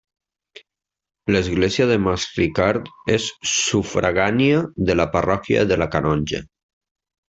L'església de Masricard és sufragània de la parròquia de la Canonja.